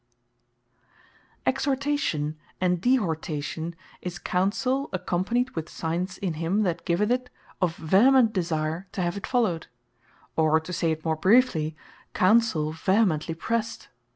Exhortation And Dehortation What EXHORTATION, and DEHORTATION, is Counsell, accompanied with signes in him that giveth it, of vehement desire to have it followed; or to say it more briefly, Counsell Vehemently Pressed.